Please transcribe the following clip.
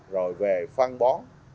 rồi về phan bón